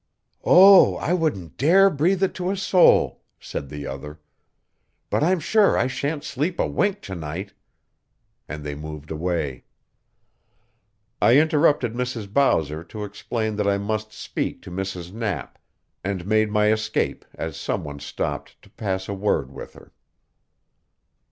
"Oh, I wouldn't dare breathe it to a soul," said the other. "But I'm sure I shan't sleep a wink tonight." And they moved away. I interrupted Mrs. Bowser to explain that I must speak to Mrs. Knapp, and made my escape as some one stopped to pass a word with her.